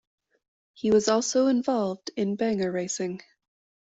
He was also involved in banger racing.